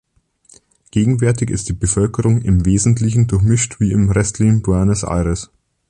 Gegenwärtig ist die Bevölkerung im Wesentlichen durchmischt wie im restlichen Buenos Aires.